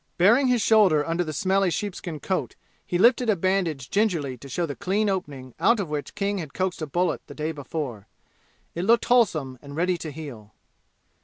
Baring his shoulder under the smelly sheepskin coat, he lifted a bandage gingerly to show the clean opening out of which King had coaxed a bullet the day before. It looked wholesome and ready to heal.